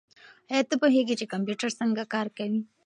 ایا ته پوهېږې چې کمپیوټر څنګه کار کوي؟